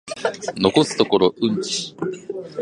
残すところ約